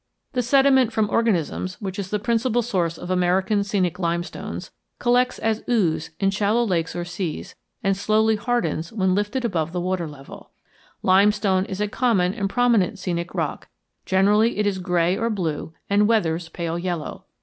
The sediment from organisms, which is the principal source of American scenic limestones, collects as ooze in shallow lakes or seas, and slowly hardens when lifted above the water level. Limestone is a common and prominent scenic rock; generally it is gray or blue and weathers pale yellow.